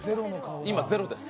今、ゼロです。